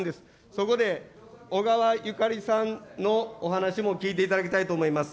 そこでおがわゆかりさんのお話も聞いていただきたいと思います。